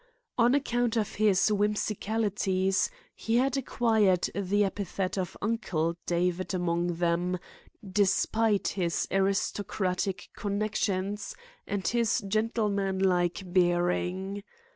On account of his whimsicalities, he had acquired the epithet of Uncle David among them, despite his aristocratic connections and his gentlemanlike bearing.